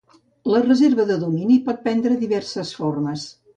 La reserva de domini pot prendre diverses formes.